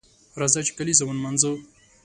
راځه چې کالیزه ونمانځو